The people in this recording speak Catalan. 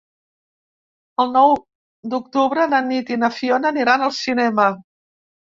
El nou d'octubre na Nit i na Fiona aniran al cinema.